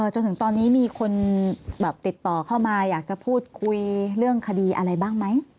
จนถึงตอนนี้มีคนติดต่อเข้ามาอยากจะพูดคุยเรื่องคดีอะไรบ้างไหม